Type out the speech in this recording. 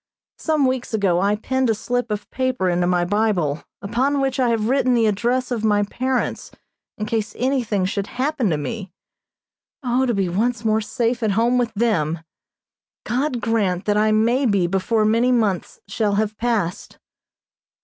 Some weeks ago I pinned a slip of paper into my Bible, upon which I have written the address of my parents, in case anything should happen to me. O, to be once more safe at home with them! God grant that I may be before many months shall have passed.